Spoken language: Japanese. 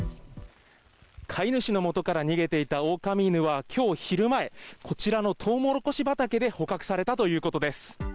飼い主のもとから逃げていたオオカミ犬はきょう昼前、こちらのトウモロコシ畑で捕獲されたということです。